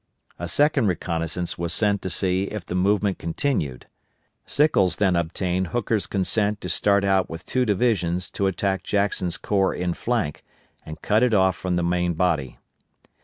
A second reconnoissance was sent to see if the movement continued. Sickles then obtained Hooker's consent to start out with two divisions to attack Jackson's corps in flank and cut if off from the main body.